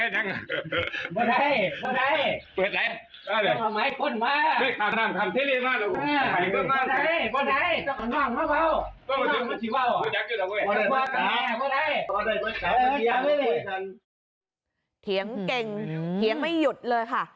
เสียงเก่งเถียงไม่หยุดเลยค่ะ